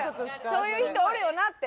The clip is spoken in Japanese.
そういう人おるよなって。